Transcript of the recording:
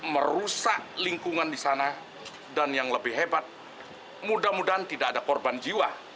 merusak lingkungan di sana dan yang lebih hebat mudah mudahan tidak ada korban jiwa